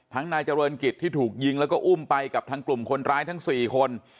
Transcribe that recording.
นายเจริญกิจที่ถูกยิงแล้วก็อุ้มไปกับทางกลุ่มคนร้ายทั้ง๔คน